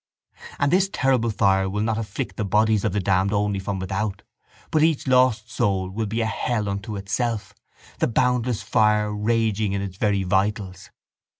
And this terrible fire will not afflict the bodies of the damned only from without, but each lost soul will be a hell unto itself, the boundless fire raging in its very vitals.